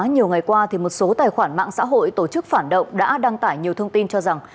nhiều ngày qua một số tài khoản mạng xã hội tổ chức phản động đã đăng tải nhiều thông tin cho rằng